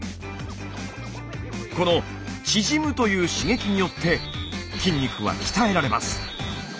この縮むという刺激によって筋肉は鍛えられます。